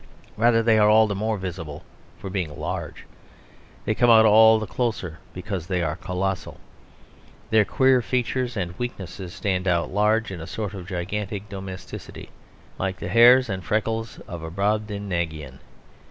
Rather they are all the more visible for being large. They come all the closer because they are colossal. Their queer features and weaknesses stand out large in a sort of gigantic domesticity, like the hairs and freckles of a Brobdingnagian.